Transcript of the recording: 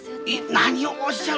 何をおっしゃる。